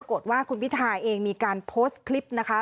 ว่าคุณพิทาเองมีการโพสต์คลิปนะคะ